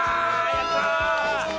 やったー！